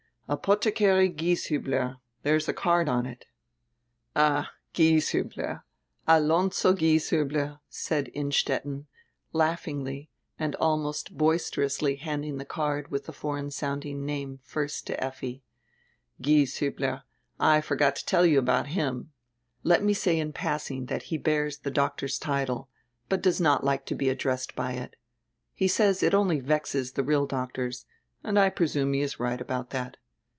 "Apothecary Gieshiibler. There is a card on it." "All, Gieshiibler, Alonzo Gieshiibler," said Innstetten, laughingly and almost boisterously handing the card with die foreign sounding first name to Effi. "Gieshiibler. I forgot to tell you about him. Let me say in passing that he bears die doctor's tide, but does not like to be addressed by it. He says it only vexes die real doctors, and I pre sume he is right about that.